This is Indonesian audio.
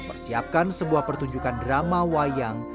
mempersiapkan sebuah pertunjukan drama wayang